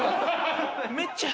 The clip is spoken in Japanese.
めっちゃ。